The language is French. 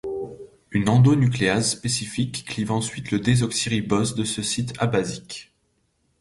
Une endonucléase spécifique clive ensuite le désoxyribose de ce site abasique.